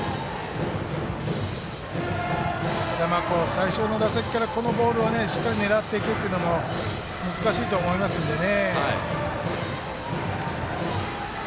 最初の打席からこのボールをしっかり狙っていくっていうのも難しいと思いますのでね。